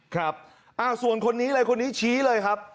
ครับส่วนคนนี้เลยคนนี้ชี้เลยครับ